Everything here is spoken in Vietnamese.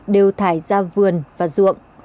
đều thải ra vườn và ruộng